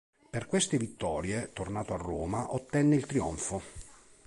Per queste vittorie, tornato a Roma, ottenne il trionfo.